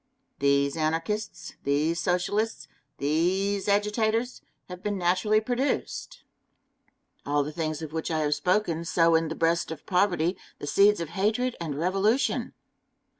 These Anarchists, these Socialists, these agitators, have been naturally produced. All the things of which I have spoken sow in the breast of poverty the seeds of hatred and revolution.